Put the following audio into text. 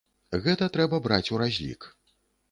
Гэта трэба браць у разлік.